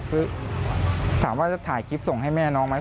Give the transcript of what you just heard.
คือถามว่าจะถ่ายคลิปส่งให้แม่น้องไหม